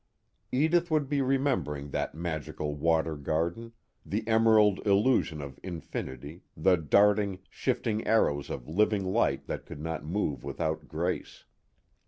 Edith would be remembering that magical water garden, the emerald illusion of infinity, the darting, shifting arrows of living light that could not move without grace.